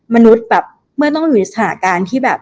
มนุษย์แบบเมื่อต้องอยู่ในสถานการณ์ที่แบบ